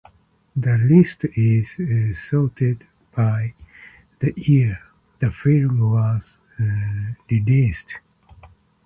The list is sorted by the year the film was released.